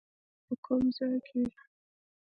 په کوم ځای کې؟